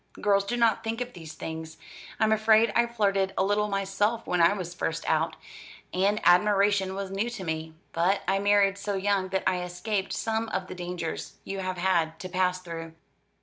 Girls do not think of these things. I'm afraid I flirted a little myself when I was first out, and admiration was new to me; but I married so young that I escaped some of the dangers you have had to pass through.